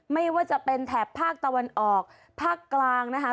ไม่ว่าจะเป็นแถบภาคตะวันออกภาคกลางนะคะ